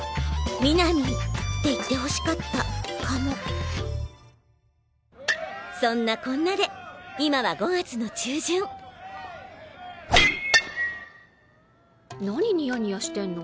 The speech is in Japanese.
南って言ってほしかったかもそんなこんなで今は５月の中旬何ニヤニヤしてんの？